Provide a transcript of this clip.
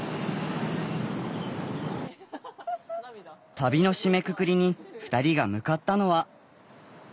旅の締めくくりに２人が向かったのは。